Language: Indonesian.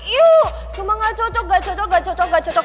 iu sumpah gak cocok gak cocok gak cocok gak cocok